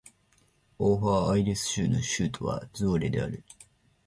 オーファーアイセル州の州都はズヴォレである